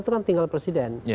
terang tinggal presiden